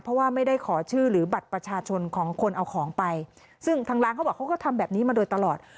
เพราะว่าไม่ได้ขอชื่อหรือบัตรประชาชนของคนเอาของไปซึ่งทางร้านเขาบอกเขาก็ทำแบบนี้มาโดยตลอด